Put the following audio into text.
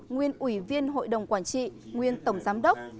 nguyên ủy viên hội đồng quản trị nguyên tổng giám đốc